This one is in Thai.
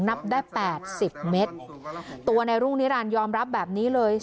นับได้แปดสิบเมตรตัวในรุ่งนิรันดิยอมรับแบบนี้เลย